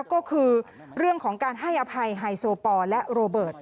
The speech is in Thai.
ก็คือเรื่องของการให้อภัยไฮโซปอลและโรเบิร์ต